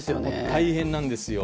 大変なんですよ。